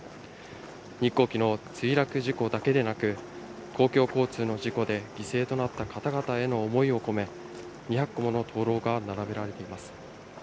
日航機の墜落事故だけでなく、公共交通の事故で犠牲となった方々への思いを込め、２００個もの灯籠が並べられています。